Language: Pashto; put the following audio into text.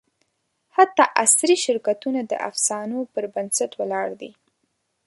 حتی عصري شرکتونه د افسانو پر بنسټ ولاړ دي.